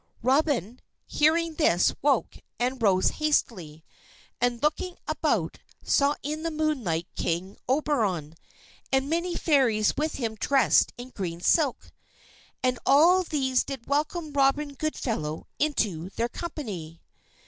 _" Robin, hearing this, woke and rose hastily, and, looking about, saw in the moonlight King Oberon, and many Fairies with him dressed in green silk. And all these did welcome Robin Goodfellow into their company.